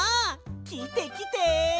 きてきて！